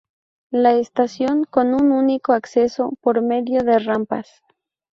La estación con un único acceso, por medio de rampas.